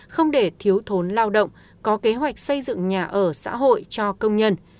không để thiếu thốn lao động có kế hoạch xây dựng nhà ở xã hội cho công nhân